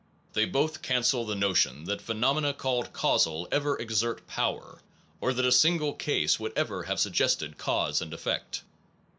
They both cancel the notion that phenomena called causal ever ex ert power, or that a single case would ever have suggested cause and effect.